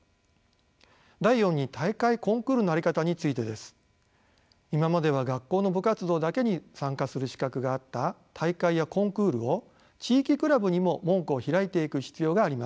第四に大会・コンクールのあり方についてです。今までは学校の部活動だけに参加する資格があった大会やコンクールを地域クラブにも門戸を開いていく必要があります。